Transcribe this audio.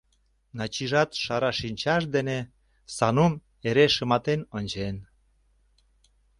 Начижат шара шинчаж дене Санум эре шыматен ончен.